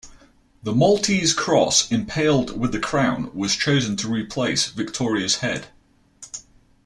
The Maltese Cross impaled with the Crown was chosen to replace Victoria's head.